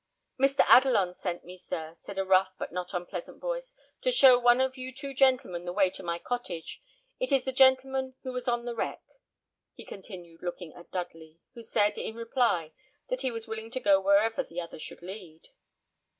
"Mr. Adelon sent me, sir," said a rough, but not unpleasant voice, "to show one of you two gentlemen the way to my cottage. It is the gentleman who was on the wreck," he continued, looking at Dudley, who said, in reply, that he was willing to go wherever the other should lead.